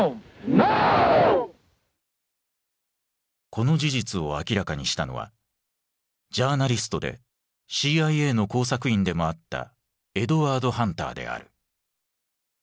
この事実を明らかにしたのはジャーナリストでＣＩＡの工作員でもあったエドワード・ハンターである。